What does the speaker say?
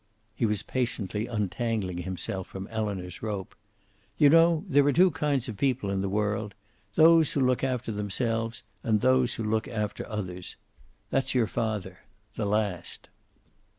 He was patiently untangling himself from Elinor's rope. "You know there are two kinds of people in the world: those who look after themselves and those who look after others. That's your father the last."